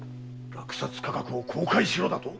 落札価格を公開しろだと？